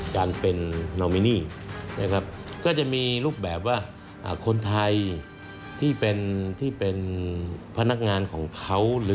การเป็นโนมินีก็จะมีรูปแบบว่าคนไทยที่เป็นพนักงานของเขา